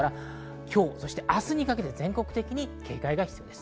今日、明日にかけて全国的に警戒が必要です。